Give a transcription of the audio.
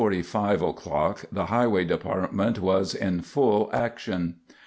] By 3:45 o'clock the highway department was in full action.